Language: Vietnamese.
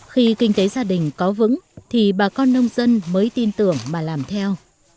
khi kinh tế gia đình có vững thì bà con nông dân mới tin tưởng mà làm theo